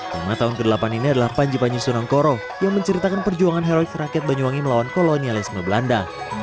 tema tahun ke delapan ini adalah panji panji sunan koro yang menceritakan perjuangan heroik rakyat banyuwangi melawan kolonialisme belanda